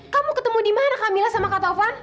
kamu ketemu di mana kamila sama kak taufan